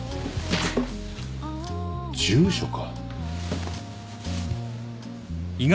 住所か？